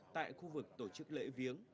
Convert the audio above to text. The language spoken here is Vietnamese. tại khu vực tổ chức lễ viếng